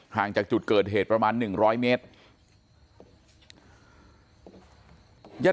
ห่างจากจุดเกิดเหตุประมาณ๑๐๐เมตร